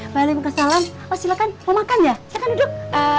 balik muka salam oh silahkan mau makan ya silahkan duduk